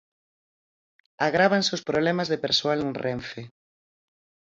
Agrávanse os problemas de persoal en Renfe.